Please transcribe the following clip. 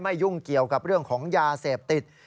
ยุ่งเกี่ยวกับเรื่องของยาเสพติด